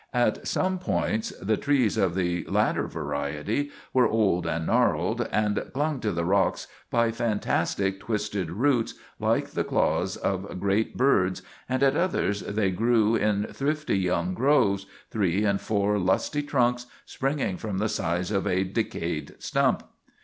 At some points the trees of the latter variety were old and gnarled, and clung to the rocks by fantastic twisted roots like the claws of great birds, and at others they grew in thrifty young groves, three and four lusty trunks springing from the sides of a decayed stump.